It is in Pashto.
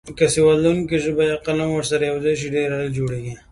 که سواد لرونکې ژبه یا قلم ورسره یوځای شي ډېر عالي جوړیږي.